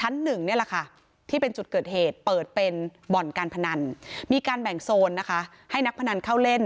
ชั้นหนึ่งนี่แหละค่ะที่เป็นจุดเกิดเหตุเปิดเป็นบ่อนการพนันมีการแบ่งโซนนะคะให้นักพนันเข้าเล่น